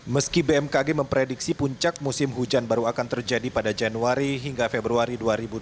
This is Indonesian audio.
meski bmkg memprediksi puncak musim hujan baru akan terjadi pada januari hingga februari dua ribu dua puluh